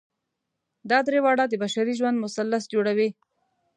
دا درې واړه د بشري ژوند مثلث جوړوي.